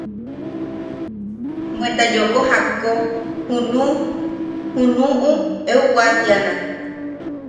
“Bwe yooko jakko junu... junuʼu eu waatiana”.